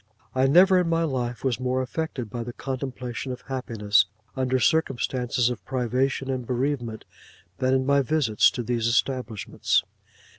I never in my life was more affected by the contemplation of happiness, under circumstances of privation and bereavement, than in my visits to these establishments.